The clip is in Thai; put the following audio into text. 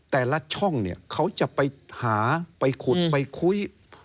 แต่ละช่องเนี่ยเขาจะไปหาไปขุดไปคุย